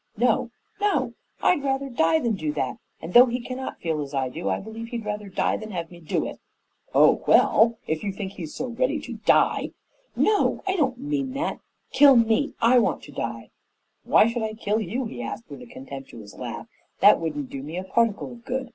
"No, no! I'd rather die than do that, and though he cannot feel as I do, I believe he'd rather die than have me do it." "Oh, well! If you think he's so ready to die " "No, I don't mean that! Kill me! I want to die." "Why should I kill you?" he asked with a contemptuous laugh. "That wouldn't do me a particle of good.